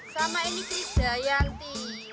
sama ini kris dayanti